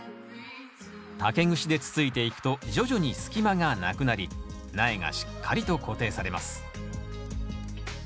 竹串でつついていくと徐々に隙間がなくなり苗がしっかりと固定されます